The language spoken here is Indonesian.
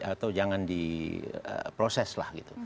atau jangan diproseslah gitu